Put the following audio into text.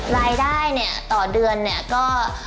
รายได้ต่อเดือนเนี่ยก็